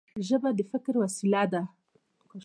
ژبه د فکر وسیله ده.